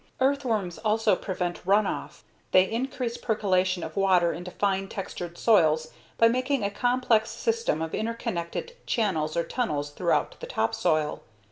Earthworms also prevent runoff. They increase percolation of water into fine textured soils by making a complex system of interconnected channels or tunnels throughout the topsoil.